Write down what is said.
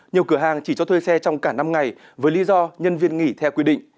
nhiều cửa hàng chỉ cho thuê xe trong cả năm ngày với lý do nhân viên nghỉ theo quy định